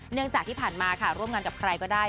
เนื่องจากที่ผ่านมาค่ะร่วมงานกับใครก็ได้